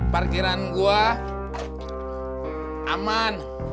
parkiran gua aman